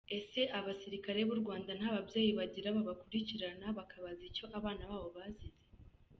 Ese abasirikare b’u Rwanda nta babyeyi bagira bakurikirana bakabaza icyo abana babo bazize?